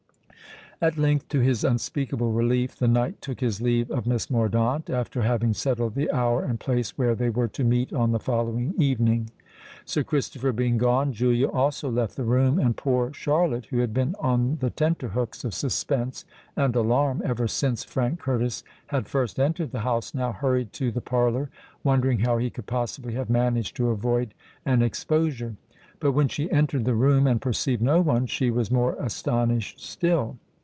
At length, to his unspeakable relief, the knight took his leave of Miss Mordaunt, after having settled the hour and place where they were to meet on the following evening. Sir Christopher being gone, Julia also left the room; and poor Charlotte, who had been on the tenter hooks of suspense and alarm ever since Frank Curtis had first entered the house, now hurried to the parlour, wondering how he could possibly have managed to avoid an exposure. But when she entered the room, and perceived no one, she was more astonished still.